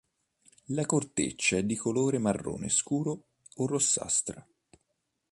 La corteccia è di colore marrone scuro o rossastra.